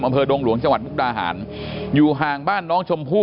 อำเภอดงหลวงจังหวัดมุกดาหารอยู่ห่างบ้านน้องชมพู่